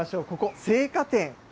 ここ、青果店。